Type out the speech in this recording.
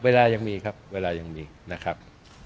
เวลายังมีนะครับ